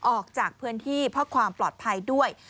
ออกจากพื้นที่เพื่อความปลอดภัยด้วย